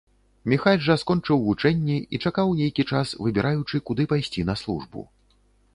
Міхась жа скончыў вучэнне і чакаў нейкі час, выбіраючы, куды пайсці на службу.